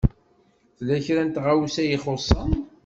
Tella kra n tɣawsa i ixuṣṣen.